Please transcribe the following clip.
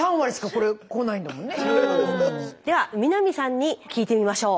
では南さんに聞いてみましょう。